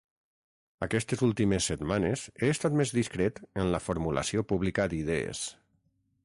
Aquestes últimes setmanes he estat més discret en la formulació pública d’idees.